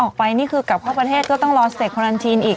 นี่คือกลับเข้าประเทศก็ต้องรอสเตควารันทีนอีก